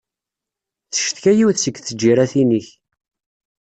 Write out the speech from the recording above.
Teccetka yiwet seg tǧiratin-ik.